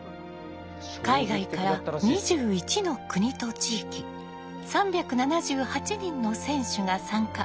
海外から２１の国と地域３７８人の選手が参加。